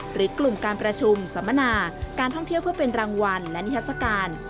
หรือกลุ่มการประชุมสัมมนาการท่องเที่ยวเพื่อเป็นรางวัลและนิทัศกาล